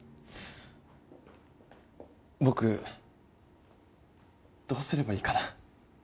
僕どうすればいいかな？